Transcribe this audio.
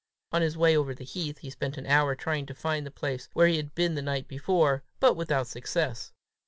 On his way over the heath, he spent an hour trying to find the place where he had been the night before, but without success.